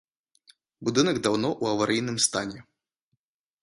Будынак даўно ў аварыйным стане.